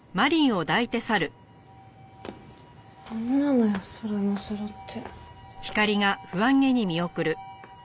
なんなのよそろいもそろって。